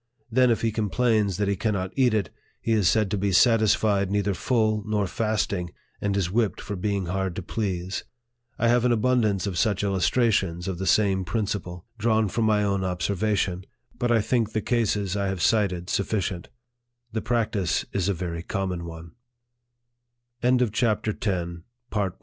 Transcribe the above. Then, if he complains that he cannot eat it, he is said to be satisfied neither full nor fasting, and is whipped for being hard to please ! I have an abundance of such illustrations of the same principle, drawn from my own LIFE OF FREDERICK DOUGLASS. 77 observation, but think the cases I have cited sufficient The practice is a very common